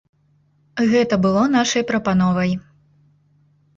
Гэта было нашай прапановай.